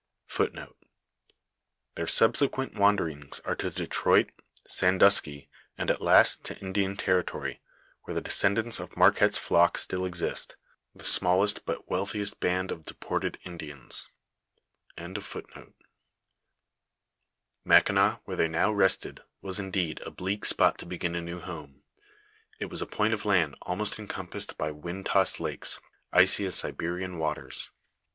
f • Ret. 1671 "r2. f Their Bubseqnent wanderings are to Detroit, Sandusky, and at last to Indian territory, where the descendants of Marquette's flock still exist, the smallest but wealthiest band of deported Indiana. IIMI I liii* ! I hi: LIFB "F FATIIKR MARQUETTB. Ixi Mackinaw, where they now rested, was indeed a bleak spot to begin a new home ; it was a point of land almost encompassed by wind tossed lakes, icy as Siberian waters.